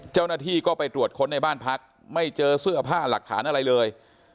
เจ้าหน้าที่ก็ไปตรวจค้นในบ้านพักไม่เจอเสื้อผ้าหลักฐานอะไรเลย